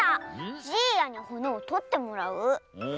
じいやにほねをとってもらう？